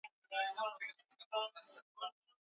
Mlipuko unaweza kutokea